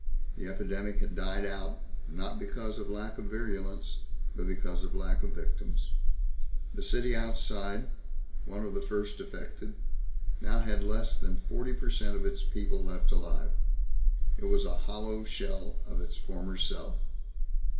The epidemic had died out not because of lack of virulence but because of lack of victims. The city outside, one of the first affected, now had less than forty per cent of its people left alive. It was a hollow shell of its former self.